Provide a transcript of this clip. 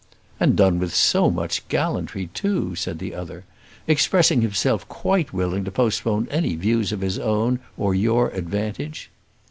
"And done with so much true gallantry, too," said the other; "expressing himself quite willing to postpone any views of his own or your advantage."